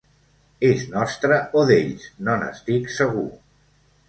Es nostre o d'ells, no n'estic segur.